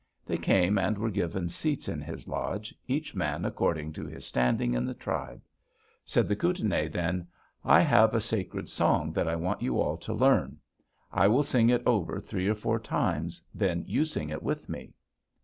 They came and were given seats in his lodge, each man according to his standing in the tribe. Said the Kootenai then: 'I have a sacred song that I want you all to learn. I will sing it over three or four times, then you sing it with me.'